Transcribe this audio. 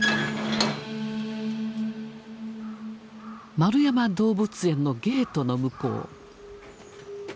円山動物園のゲートの向こう。